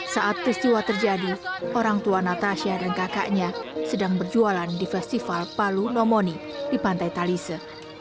saat peristiwa terjadi orang tua natasha dan kakaknya sedang berjualan di festival palu nomoni di pantai talise